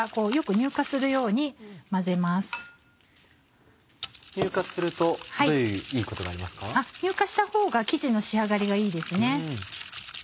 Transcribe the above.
乳化したほうが生地の仕上がりがいいですね。